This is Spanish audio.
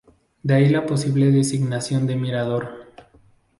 De ahí la posible designación de mirador.